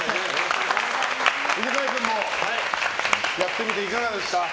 犬飼君もやってみていかがでした？